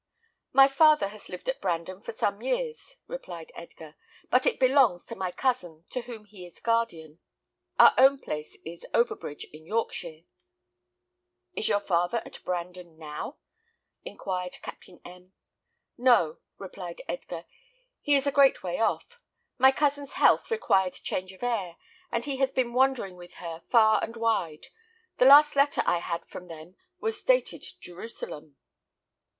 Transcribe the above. "My father has lived at Brandon for some years," replied Edgar; "but it belongs to my cousin, to whom he is guardian. Our own place is Overbridge, in Yorkshire." "Is your father at Brandon now?" inquired Captain M . "No," replied Edgar; "he is a great way off. My cousin's health required change of air, and he has been wandering with her far and wide. The last letter I had from them was dated Jerusalem."